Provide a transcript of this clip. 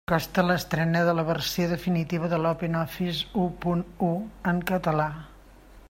S'acosta l'estrena de la versió definitiva de l'OpenOffice u punt u en català.